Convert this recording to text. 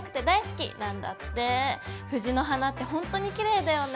藤の花ってほんとにきれいだよね。